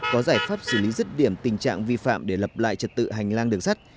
có giải pháp xử lý rứt điểm tình trạng vi phạm để lập lại trật tự hành lang đường sắt